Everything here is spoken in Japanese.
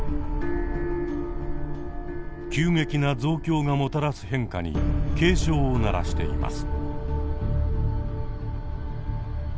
急激な増強がもたらす変化に警鐘を鳴らしています。